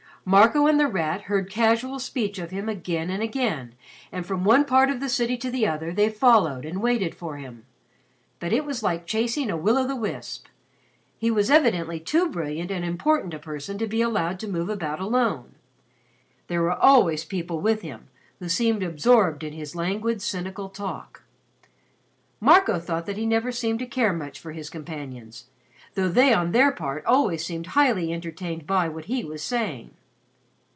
Marco and The Rat heard casual speech of him again and again, and from one part of the city to the other they followed and waited for him. But it was like chasing a will o' the wisp. He was evidently too brilliant and important a person to be allowed to move about alone. There were always people with him who seemed absorbed in his languid cynical talk. Marco thought that he never seemed to care much for his companions, though they on their part always seemed highly entertained by what he was saying.